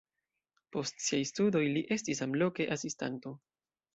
Post siaj studoj li estis samloke asistanto.